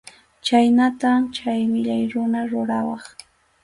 Chhaynatam chay millay runa rurawaq.